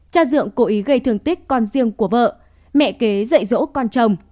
cha dượng cố ý gây thương tích con riêng của vợ mẹ kế dậy rỗ con chồng